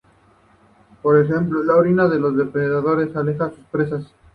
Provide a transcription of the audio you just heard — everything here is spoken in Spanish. Por ejemplo, la orina de los depredadores aleja sus presas.